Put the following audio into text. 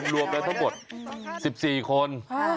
รวมแล้วทั้งหมด๑๔คน